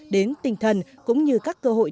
đến tinh thần cũng như các cơ hội